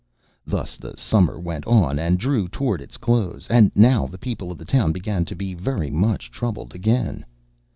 Thus the summer went on, and drew toward its close. And now the people of the town began to be very much troubled again.